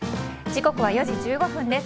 時刻は４時１５分です。